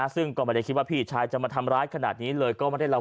ซึ่งก็ไม่ได้คิดว่าพี่ชายจะมาทำร้ายขนาดนี้เลย